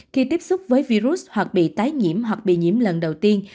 khi tiếp xúc với virus hoặc bị tái nhiễm hoặc bị nhiễm lần đầu tiên